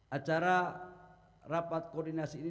acara rapat koordinasi ini